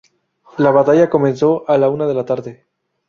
La batalla comenzó a la una de la tarde.